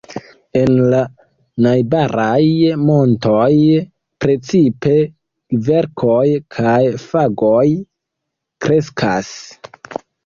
En la najbaraj montoj precipe kverkoj kaj fagoj kreskas.